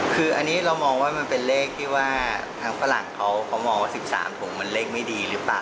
คืออันนี้เรามองว่ามันเป็นเลขที่ว่าทางฝรั่งเขามองว่า๑๓ถุงมันเลขไม่ดีหรือเปล่า